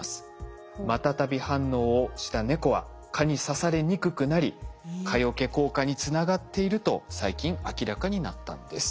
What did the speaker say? マタタビ反応をした猫は蚊に刺されにくくなり蚊よけ効果につながっていると最近明らかになったんです。